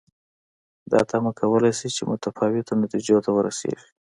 دا تمه کولای شو چې متفاوتو نتیجو ته ورسېږو.